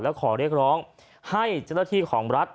และขอเรียกร้องให้เจ้าหน้าที่ของรัฐ